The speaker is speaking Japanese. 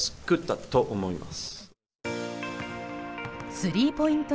スリーポイント